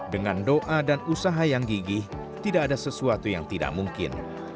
dengan doa dan usaha yang gigih tidak ada sesuatu yang tidak mungkin